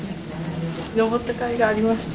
登ったかいがありました。